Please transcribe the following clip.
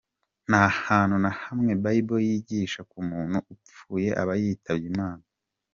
Nta hantu na hamwe Bible yigisha ko umuntu upfuye aba yitabye imana.